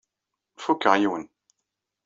Fukeɣ yiwen.